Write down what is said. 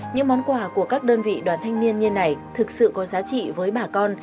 những món quà của các đơn vị đoàn thanh niên như này thực sự có giá trị với bà con